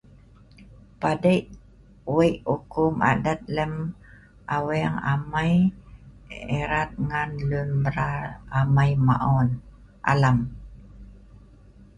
PADEI Wei ukum Adat lem aweng amai erat ngan lun mbral amai alam